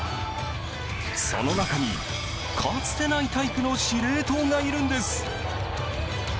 その中に、かつてないタイプの司令塔がいるんです。